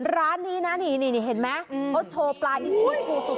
ร้านนี้นะนี่เห็นไหมเพราะโชว์ปลาอินซี